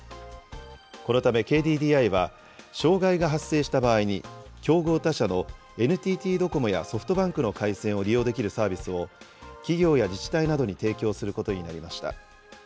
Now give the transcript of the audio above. このためＫＤＤＩは、障害が発生した場合に、競合他社のＮＴＴドコモやソフトバンクの回線を利用できるサービスを、企業や自治体などに提供することになりました。